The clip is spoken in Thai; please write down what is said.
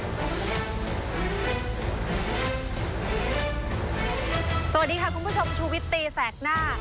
สวัสดีค่ะคุณผู้ชมชูวิตตีแสกหน้า